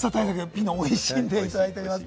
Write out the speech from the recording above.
ピノ、おいしいのでいただいております。